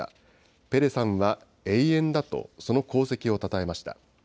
ペレさんは永遠だと、その功績をたたえました。